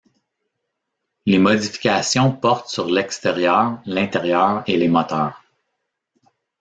Les modifications portent sur l'extérieur, l'intérieur et les moteurs.